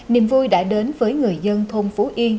niềm vui đã đến với người dân thôn phú yên